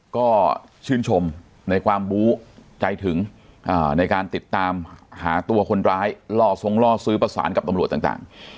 ก็ชื่นชมในความบู้ใจถึงในการติดตามหาตัวคนร้ายล่อทรงล่อซื้อประสานกับตำรวจต่าง